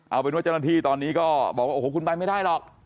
เอาเป็นว่าเจ้าหน้าที่ตอนนี้ก็บอกว่าโอ้โหคุณไปไม่ได้หรอก